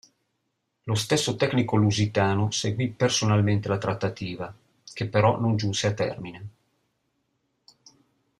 Lo stesso tecnico lusitano seguì personalmente la trattativa, che però non giunse a termine.